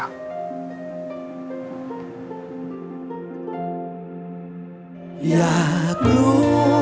กลับกลายเป็นว่าท่านออกไปเดินทางในที่ที่มันลำบาก